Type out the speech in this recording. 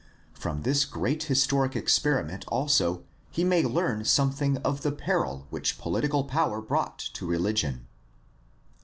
From this great historic experiment also he may learn some thing of the peril which political power brought to religion.